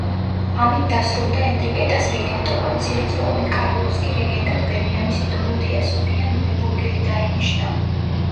ამით დასრულდა ენრიკეტას რეგენტობა, მცირეწლოვან კარლოსს კი რეგენტად ბებიამისი, დოროთეა სოფია ნოიბურგელი დაენიშნა.